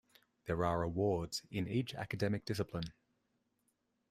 There are awards in each academic discipline.